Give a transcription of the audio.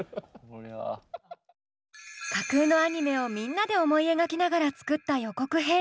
架空のアニメをみんなで思い描きながら作った予告編。